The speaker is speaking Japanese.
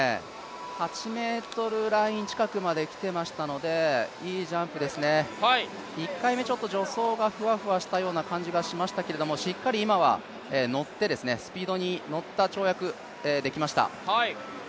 ８ｍライン近くまで来ていましたのでいいジャンプですね、１回目は助走がふわふわしたような感じがありましたけど、しっかり今はスピードに乗った跳躍、できました。